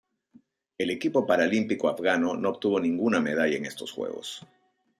El equipo paralímpico afgano no obtuvo ninguna medalla en estos Juegos.